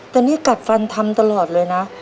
แต่นี่กัดฟันทำตลอดเลยนะ